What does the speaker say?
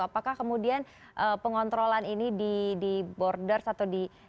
apakah kemudian pengontrolan ini di borders atau di